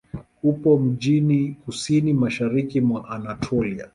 Upo mjini kusini-mashariki mwa Anatolia.